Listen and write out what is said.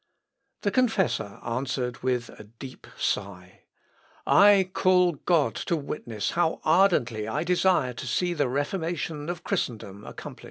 The confessor answered with a deep sigh, "I call God to witness how ardently I desire to see the Reformation of Christendom accomplished."